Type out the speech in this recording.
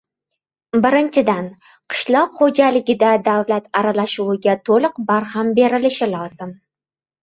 Birinchidan, qishloq xo‘jaligida davlat aralashuviga to‘liq barham berilishi lozim.